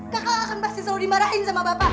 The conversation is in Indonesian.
kakak kan pasti selalu dimarahin sama bapak